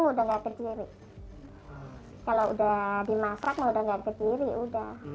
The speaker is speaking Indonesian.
kalau sudah dimasak sudah tidak kekiri